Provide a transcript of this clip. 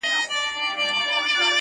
زموږ د تاریخ د اتلانو وطن!!